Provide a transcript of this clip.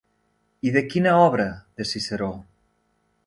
I de quina obra, de Ciceró?